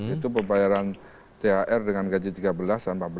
itu pembayaran thr dengan gaji tiga belas dan empat belas